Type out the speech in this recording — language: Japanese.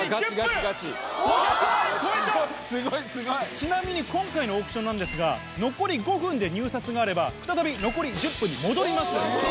ちなみに今回のオークションなんですが残り５分で入札があれば再び残り１０分に戻ります。